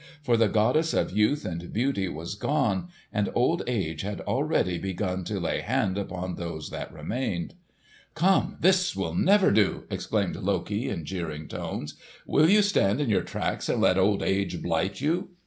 For the goddess of youth and beauty was gone, and old age had already begun to lay hand upon those that remained. "Come, this will never do!" exclaimed Loki in jeering tones. "Will you stand in your tracks and let old age blight you?"